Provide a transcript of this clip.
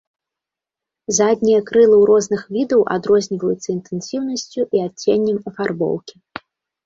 Заднія крылы ў розных відаў адрозніваюцца інтэнсіўнасцю і адценнем афарбоўкі.